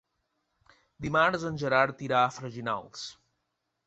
Dimarts en Gerard irà a Freginals.